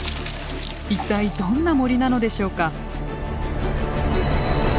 一体どんな森なのでしょうか？